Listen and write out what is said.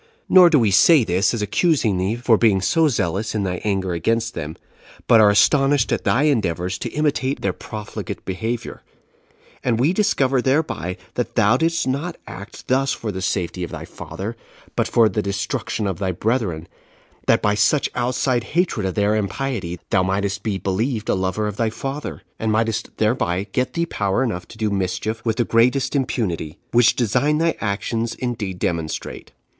Nor do we say this as accusing thee for being so zealous in thy anger against them, but are astonished at thy endeavors to imitate their profligate behavior; and we discover thereby that thou didst not act thus for the safety of thy father, but for the destruction of thy brethren, that by such outside hatred of their impiety thou mightest be believed a lover of thy father, and mightest thereby get thee power enough to do mischief with the greatest impunity; which design thy actions indeed demonstrate.